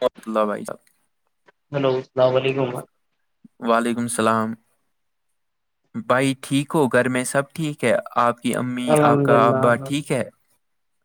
بت اللہ بھائی ج [inaudible] ہلو السلام علیکم وعلیکم السلام بھائی ٹھیک ہو گھر میں سب ٹھیک ہے آپ کی امی آپ الحمد کا ابا اللہ ٹھیک ہے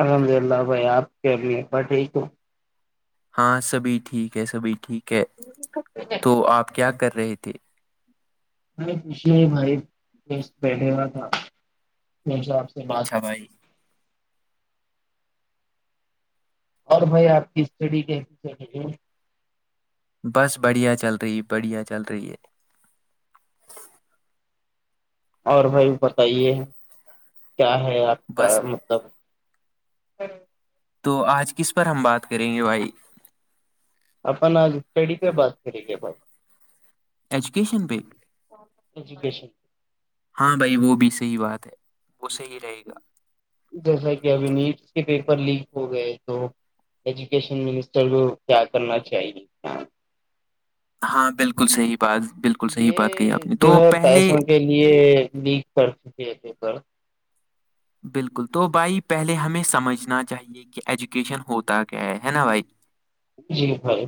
الحمد للہ بھائی آپ کےمیب ٹھیک ہوں ہاں سبھی ٹھیک ہے سبھی ٹھیک ہے تو آپ کیا کر رہے تھے میں پچھلے بھائی بیٹھے ہوا تھاس اچھا بھائی اور بھائی آپ کی اسٹڈی کیسی چلی ہے بس بڑھیا چل رہی بڑھیا چل رہی ہے اور بھائی بتائیے کیا ہے آپ بس کا مطلب تو آج کس پر ہم بات کریں گے بھائی اپن آج اسٹڈی پہ بات کریں گے ب ایجوکیشن پ ایجوکیشن ہاں بھائی وہ بھی صحیح بات ہے وہ صحیح رہے گا جیسا کہ ابھی نیٹس کے پیپر لیک ہو گئے تو ایجوکیشن منسٹر کو کیا کرنا چاہیے ہاں بالکل صحیح بات بالکل صحیح بات کہی آپ نے جو تو ہے پہلے پیسوں کے یہ لیک کرتی ت ہے پیپر بالکل تو بھائی پہلے ہمیں سمجھنا چاہیے کہ ایجوکیشن ہوتا کیا ہے نا بھائی جی بھائی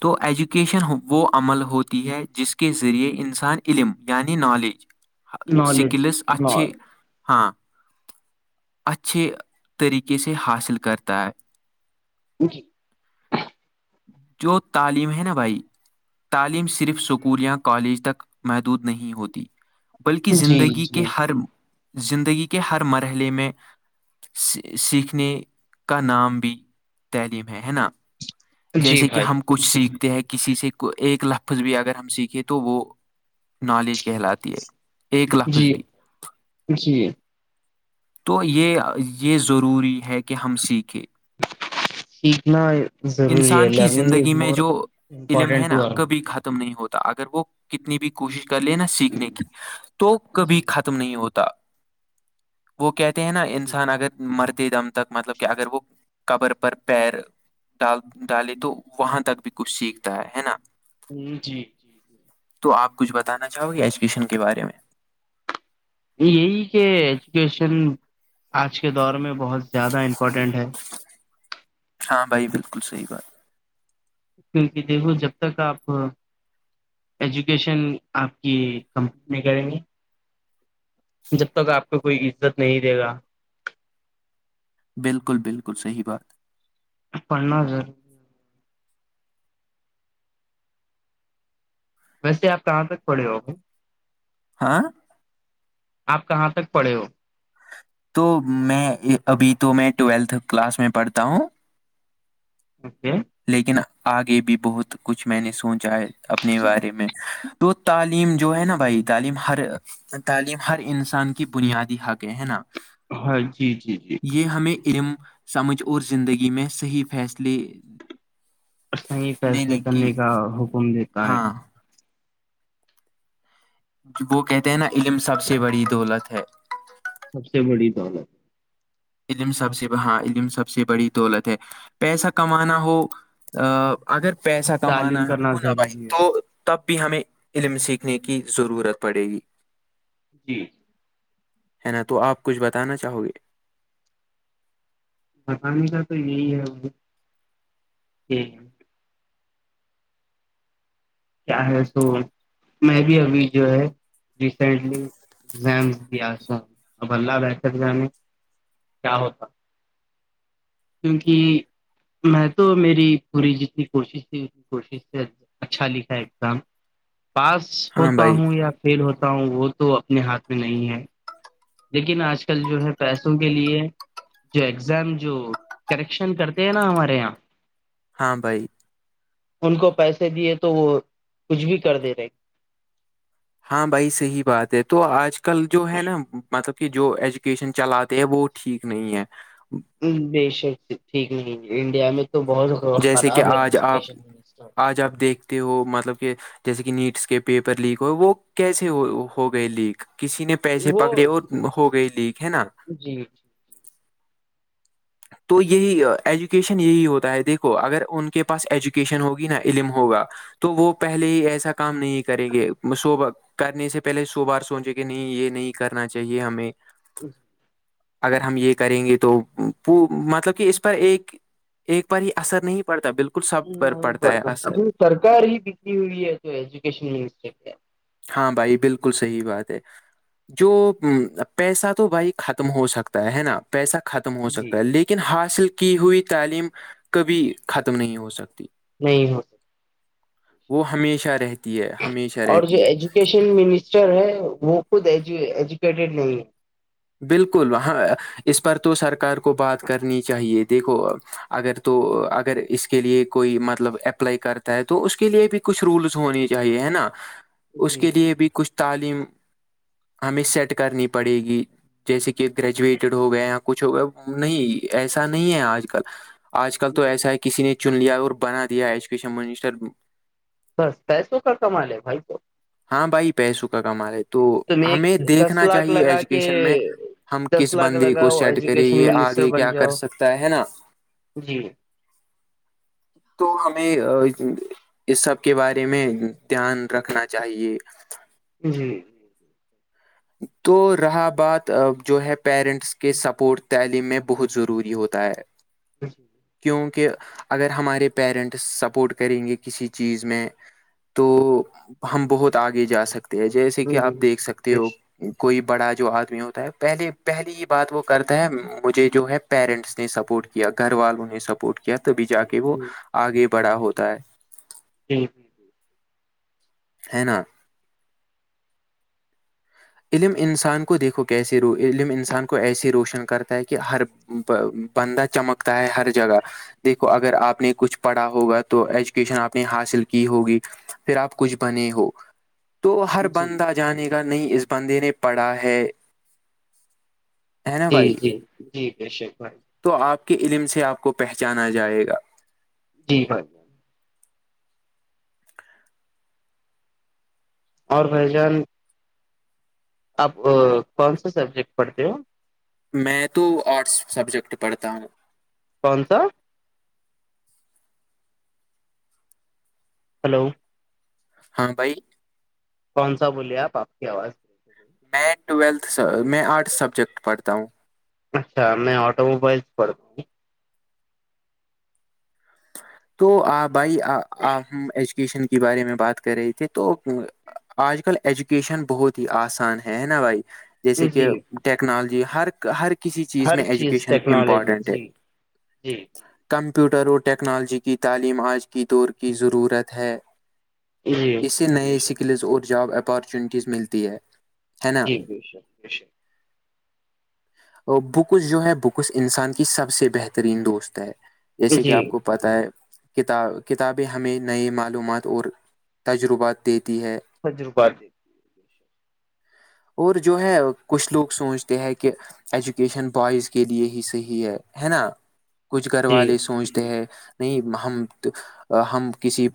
تو ایجوکیشن وہ عمل ہوتی ہے جس کے ذریعے انسان علم یعنی نالج نالج سکلز اچھھی ہاں اچھے طریقے سے حاصل کرتا ہے جی جو تعلیم ہے نا بھائی تعلیم صرف سکول یا کالج تک محدود نہیں ہوتی بلکہ جی زندگی کے جی ہر زندگی کے ہر مرحلے میں سیکھنے کا نام بھی تعلیم ہے ہے نا جی جیسے کہ بھائی ہم کچھ سیکھتے ہیں کسی سے ایک لفظ بھی اگر ہم سیکھیں تو وہ نالج کہلاتی ہے ایک جی لفظ بھی جی تو یہ یہ ضروری ہے کہ ہم سیکھیں سیکیکھنا ہے انسان کی لرننگ از زندگی میں مور جو علم ہے امپورٹنٹ ٹو نا ارنگ کبھی ختم نہیں ہوتا اگر وہ کتنی بھی کوشش کر لے نا سیکھنے کی تو کبھی جی ختم نہیں ہوتا وہ کہتے ہیں نا انسان اگر مرتے دم تک مطلب کہ اگر وہ قبر پر پیر ڈال ڈالے تو وہاں تک بھی کچھ سیکھتا ہے ہے نا ج جی جی ج تو آپ کچھ بتانا چاہو گے ایجوکیشن کے بارے میں یہی کہ ایجوکیشن آج کے دور میں بہت زیادہ امپورٹنٹ ہے ہاں بھائی بالکل صحیح بات کیونکہ دیکھو جب تک آپ ایجوکیشن آپ کی کمپنی میں کریں گے جب تک آپ کو کوئی عزت نہیں دے گا بالکل بالکل صحی بات پناس ہزار ویسے آپ کہاں تک پڑے ہو گے ہاں آپ کہاں تک پڑے ہو تو میں ابھی تو میں ٹویلتھ کلاس میں پڑھتا ہوں اوکے لیکن آگے بھی بہت کچھ میں نے سوچا ہے اپنے بارے میں تو تعلیم جو ہے نا بھائی تعلیم ہر تعلیم ہر انسان کی بنیادی حقیں ہے نا ہاں جی جی جی یہ ہمیں علم سمجھ اور زندگی میں صحیح فیصلے صح ہی فیصلے لینے کرنے کی کا حکم دیتا ہے ہاں وہ کہتے ہیں نا علم سب سے بڑی دولت ہے سب سے بڑی بالت علم سب سے ہاں علم سب سے بڑی دولت ہے پیسہ کمانا ہو ا اگر پیسہ کمانا تعلیم کرنا ہونا بھائی ضروری تو ہے تب بھی ہمیں علم سیکھنے کی ضرورت پڑے گی جی ہے نا تو آپ کچھ بتانا چاہو گے بتانے کا تو یہی ہے کیا ہے سو میں بھی ابھی جو ہے ریسینٹلی ایگزام د اب اللہ بہتر جے کیا ہوتا کیونکہ میں تو میری پوری جتنی کوشش تھی اتنی کوشش سے اچھا لکھا ہے ایگزام پاس ہاں ہوتا بھائی ہوں یا فیل ہوتا ہوں وہ تو اپنے ہاتھ میں نہیں ہے لیکن آج کل جو ہے پیسوں کے لیے جو ایگزام جو کریکشن کرتے ہیں نا ہمارے یہاں ہاں بھائی ان کو پیسے دیے تو وہ کچھ بھی کر دے رہے ہاں بھائی صحیح بات ہے تو آج کل جو ہے نا مطلب کہ جو ایجوکیشن چلاتے ہیں وہ ٹھیک نہیں ہے بے شک ٹھیک نہیں انڈیا میں تو بہت جیسے کہ خراب ہے آج آپ ایجوکیشن منسٹر آج آپ دیکھتے ہو مطلب کہ جیسے کہ نیٹس کے پیپر لیک ہوئے وہ کیسے ہو گئے لیک کسی نے پیسے وہ پکڑے اور ہو گئے لیک ہے نا جی تو یہی ایجوکیشن یہی ہوتا ہے دیکھو اگر ان کے پاس ایجوکیشن ہوگی نا علم ہوگا تو وہ پہلے ہی ایسا کام نہیں کریں گے صوب کرنے سے پہلے سو بار سوچے کہ نہیں یہ نہیں کرنا چاہیے ہمیں اچ اگر ہم یہ کریں گے تو وہ مطلب کہ اس پر ایک ایک پر ہی اثر نہیں پڑتا بالکل سب پر پڑتا ہے اثر سرار ہی بک ہوئی ہے تو ایجوکیشن منسٹر کے ہاں بھائی بالکل صحیح بات ہے جو پیسہ تو بھائی ختم ہو سکتا ہے نا پیسہ ختم ہو جی سکتا ہے لیکن حاصل کی ہوئی تعلیم کبھی ختم نہیں ہو سکتی نہیں ہو وہ ہمیشہ رہتی ہے ہمیشہ اور جو رہتی ہے ایجوکیشن منسٹر ہے وہ خود ایجوکیٹیڈ نہیں ہے بالکل وہاں اس پر تو سرکار کو بات کرنی چاہیے دیکھو اگر تو اگر اس کے لیے کوئی مطلب اپلائی کرتا ہے تو اس کے لیے بھی کچھ رولز ہونے چاہیے ہے نا [inaudible] اس کے لیے بھی کچھ تعلیم ہمیں سیٹ کرنی پڑے گی جیسے کہ گریجویٹیڈ ہو گیا یا کچھ ہو گیا نہیں ایسا نہیں ہے آج کل آج کل تو ایسا ہے کسی نے چن لیا اور بنا دیا ایجوکیشن منسٹر بس پیسوں کا کما لے بھائی تو ہاں بھائی پیسوں کا کم رہ ہے تو تم ایک ہمیں دس دیکھنا لاکھ چاہیے لگا کے ایجوکیشن میں ہم دس کس لاکھ بندے کو لگاؤ سیٹ کرے ایجوکیشن یہ منسٹر آگے بن کیا کر جاؤ سکتا ہے ہے نا جی تو ہمیں اس سب کے بارے میں دھیان رکھنا چاہیے جی تو رہا بات جو ہے پیرنٹس کے سپورٹ تعلیم میں بہت ضروری ہوتا ہے جی جی [inaudible] کیونکہ اگر ہمارے پیرنٹس سپورٹ کریں گے کسی چیز میں تو ہم بہت آگے جا سکتے ہیں جیسے کہ جی آپ جی دیکھ سکتے بے ہو شک کوئی بڑا جو آدمی ہوتا ہے پہلے پہلی ہی بات وہ کرتا ہے مجھے جو ہے پیرنٹس نے سپورٹ کیا گھر والوں نے سپورٹ کیا تبھی جا کے وہ آگے بڑا ہوتا ہے ٹھیک ہے نا علم انسان کو دیکھو کیسے رو علم انسان کو ایسے روشن کرتا ہے کہ ہر بندہ چمکتا ہے ہر جگہ دیکھو اگر آپ نے کچھ پڑھا ہوگا تو ایجوکیشن آپ نے حاصل کی ہوگی پھر آپ کچھ بنے ہو تو ہر جی بندہ جانے گا نہیں اس بندے نے پڑھا ہے ہے نا جی بھائی جی جی بشک بھائی تو آپ کے علم سے آپ کو پہچانا جائے گا جی بھائی جان اور بھ جان آپ کون سے سبجیکٹ پڑھتے ہو میں تو آرٹس سبجیکٹ پڑھتا ہوں کون سا ہلو ہاں بھائی کون سا بولیے آپ آپ کی آواز میں ٹویلتھ میں آرٹس سبجیکٹ پڑھتا ہوں اچھا میں آٹو موبائلس پڑھتا ہوں ج [inaudible] تو آ بھائیپ ہم ایجوکیشن کے بارے میں بات کر رہے تھے تو آج کل ایجوکیشن بہت ہی آسان ہے ہے نا بھائی جیسے جی کہ ٹیکنالوجی ہر ہر کسی چیز ہر میں ایجوکیشن ٹیکنالوجی امپورٹینٹ ہے جی جی کمپیوٹر اور ٹیکنالوجی کی تعلیم آج کی دور کی ضرورت ہے جی اسے بے نئے شک سکلز اور جاب اپارچوونٹیز ملتی ہے ہے نا جی ب شکر ب شک اور بکس جو ہے بکس انسان کی سب سے بہترین دوست ہے جیسے کہ جی آپ کو پتا ہوتا ہے کتاب کتابیں ہمیں نئے معلومات اور تجربات دیتی ہے خجرو بی اور جو ہے کچھ لوگ سوچتے ہیں کہ ایجوکیشن بوائز کے لیے ہی صحیح ہے ہے نا کچھ گھر جی والے سوچتے ہے نہیں ہمم ہم کسی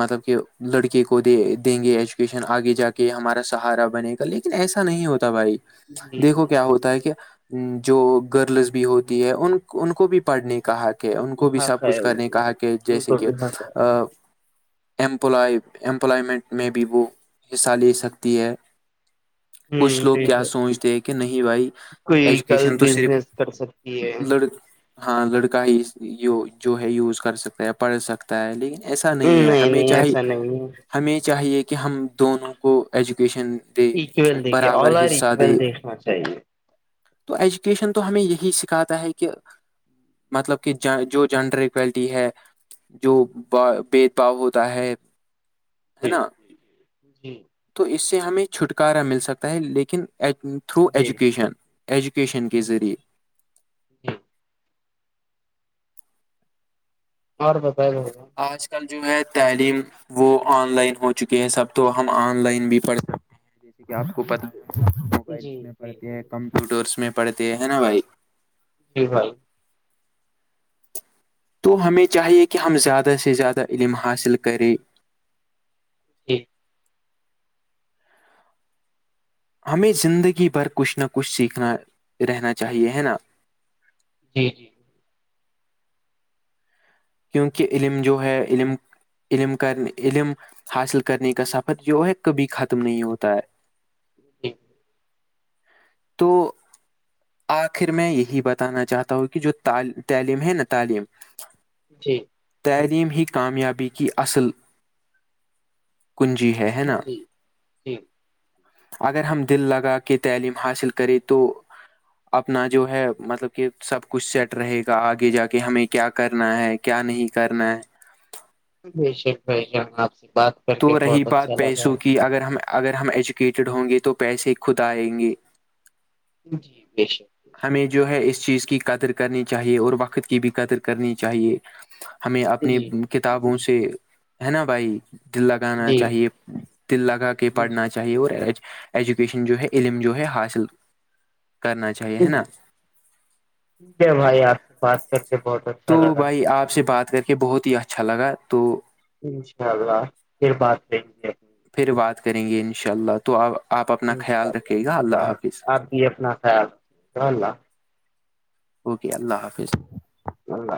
مطلب کہ لڑکے کو دے دیں گے ایجوکیشن آگے جا کے کہ ہمارا سہارا بنے گا لیکن ایسا نہیں ہوتا بھائی جی دیکھو جی کیا ہوتا ہے کہ جو گرلز بھی ہوتی ہے ان ان کو بھی پڑھنے کا حق کہ ان کو بھی سب حق ہے کچھ ان کرنے کو کاا کہ ان جیسے کو کہ بھی حق ہے امپلائی ایمپلائمنٹ میں بھی وہ حصہ لے سکتی ہے [inaudible] کچھ لوگ ٹھیک کیا ہے سوچتے ہیں کہ نہیں بھائی کوئی کل ایجوکیشن تو صرف بزنس کر سکتی ہے لڑ ہاں لڑکا ہی جو ہے یوز کر سکتا ہے پڑھ سکتا لیکن ایسا نہیں ہے ہمیں نہیں چاہے ایسا نہیں ہے ہمیں چاہیے کہ ہم دونوں کو ایجوکیشن دے اکول دیکھیے برابر آل آر حصہ اکول دے دیکھنا چاہیے تو ایجوکیشن تو ہمیں یہی سکھاتا ہے کہ مطلب کہ جو جینڈر ایکولٹی ہے جو ب بد بھا ہوتا ہے ہے جی نا جی تو اس سے ہمیں چھٹکارا مل سکتا ہے لیکن تھرو جی جی ایجوکیشن ایجوکیشن کے ذریعے جی اور بتا آج کل جو ہے تعلیم وہ آن لائن ہو چکے ہیں سب تو ہم آن لائن بھی پڑھ سکتے ہیں جیسے کہ آپ کو پت جی موبائلس میں جی پڑھتے جی ہیں کمپیوٹرس میں پڑھتے ہیں نا بھائی جی بال تو ہمیں چاہیے کہ ہم زیادہ سے زیادہ علم حاصل کریں جٹھ ہمیں زندگی بھر کچھ نہ کچھ سیکھنا رہنا چاہیے ہے نا جی جی کیونکہ علم جو ہے علم علم کر علم حاصل کرنے کا سفر جو ہے کبھی ختم نہیں ہوتا ہے ج تو آخر میں یہی بتانا چاہتا ہوں کہ جو تعلیم ہے نا تعلیم جی تعلیم ہی کامیابی کی اصل کنجی ہے ہے نا جی جی اگر ہم دل لگا کے تعلیم حاصل کریں تو اپنا جو ہے مطلب کہ سب کچھ سیٹ رہے گا آگے جا کے ہمیں کیا کرنا ہے کیا نہیں کرنا ہے ب شر بھائی جان آپ سے بات کر تو کے رہی بہت اچھا بات لگا پیسوں کی اگر ہم اگر ہم ایجوکیٹڈ ہوں گے تو پیسے خود آئیں گے جی بشک ہمیں جو ہے اس چیز کی قدر کرنی چاہیے اور وقت کی بھی قدر کرنی چاہیے ہمیں جی اپنی کتابوں سے ہے نا بھائی دل لگانا جی چاہیے دل لگا کے جی پڑھنا چاہیے اور ایجوکیشن جو ہے علم جو ہے حاصل کرنا چاہیے ہے نا ٹھیک ہے بھائی آپ سے بات کر کے بہت اچھا لگا بھائی آپ سے بات کرتے یہ بہت ہی اچھا لگا تو انشاء اللہ پھر بات کریں گے اپنی پھر بات کریں گے انشاء اللہ تو اب آپ اپنا انشاء خیال اللہ رکھیے گا اللہ حافظ جلہ اوکے اللہ حافظ ال